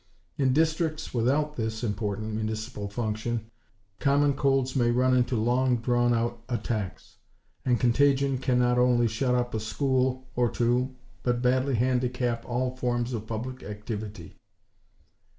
In districts without this important municipal function, common colds may run into long drawn out attacks; and contagion can not only shut up a school or two but badly handicap all forms of public activity.